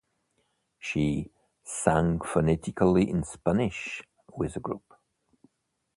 She "sang phonetically in Spanish" with the group.